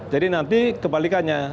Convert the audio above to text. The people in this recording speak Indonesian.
jadi nanti kebalikannya